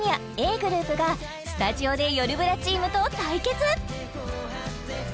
ｇｒｏｕｐがスタジオでよるブラチームと対決！